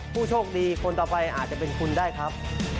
ผู้โชคดีคนต่อไปอาจจะเป็นคุณได้ครับ